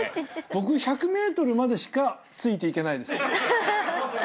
僕１００ｍまでしかついていけないです。